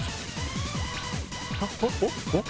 おっ？